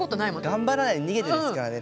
「頑張らないで逃げて」ですからね。